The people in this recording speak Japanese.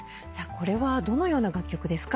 これはどのような楽曲ですか？